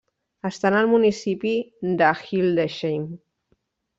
Estan al municipi de Hildesheim.